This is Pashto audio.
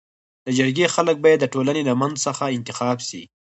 د جرګي خلک بايد د ټولني د منځ څخه انتخاب سي.